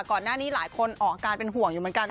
ก่อนหน้านี้หลายคนออกอาการเป็นห่วงอยู่เหมือนกัน